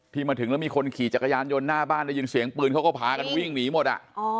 มาถึงแล้วมีคนขี่จักรยานยนต์หน้าบ้านได้ยินเสียงปืนเขาก็พากันวิ่งหนีหมด